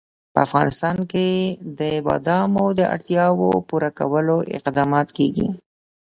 په افغانستان کې د بادامو د اړتیاوو پوره کولو اقدامات کېږي.